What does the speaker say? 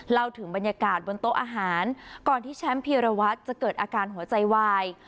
เล่าถึงบรรยากาศบนโต๊ะอาหารก่อนที่แชมป์พีรวัตรจะเกิดอาการหัวใจวาย